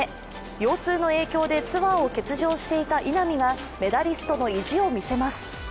腰痛の影響でツアーを欠場していた稲見がメダリストの意地を見せます。